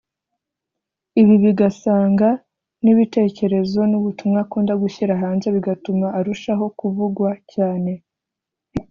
ibi bigasanga n’ibitekerezo n’ubutumwa akunda gushyira hanze bigatuma arushaho kuvugwa cyane